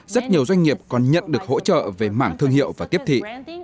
rất nhiều doanh nghiệp còn nhận được hỗ trợ về mảng thương hiệu và tiếp thị